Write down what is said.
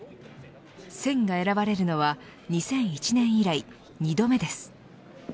戦が選ばれるのは２００１年以来２度目です。